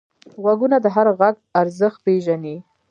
غوږونه د هر غږ ارزښت پېژني